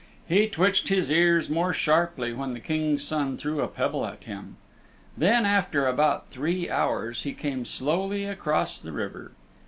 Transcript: He twitched his ears more sharply when the King's Son threw a pebble at him. Then after about three hours he came slowly across the river.